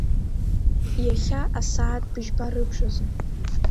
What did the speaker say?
Иахьа асааҭ быжьба рыбжазы.